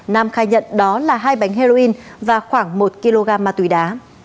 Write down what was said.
nam khai nhận đó là hai bánh heroin và khoảng một kg ma túy đá